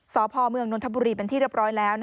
สพเมืองนนทบุรีเป็นที่เรียบร้อยแล้ว